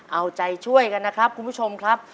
เอาใจช่วยกันนะครับคุณผู้ชมครับ